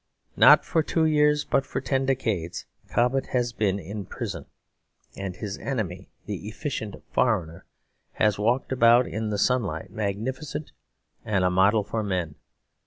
Not for two years, but for ten decades Cobbett has been in prison; and his enemy, the "efficient" foreigner, has walked about in the sunlight, magnificent, and a model for men.